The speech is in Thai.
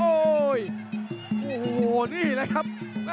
โอ้โหนี่แหละครับ